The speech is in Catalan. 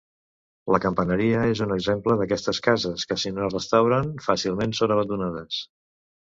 La Campaneria és un exemple d'aquestes cases, que si no es restauren, fàcilment són abandonades.